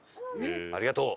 ありがとう。